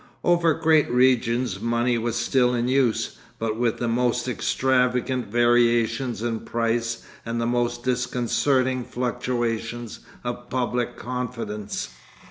Over great regions money was still in use, but with the most extravagant variations in price and the most disconcerting fluctuations of public confidence.